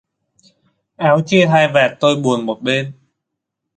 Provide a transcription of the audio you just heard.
Áo chia hai vạt tôi buồn một bên!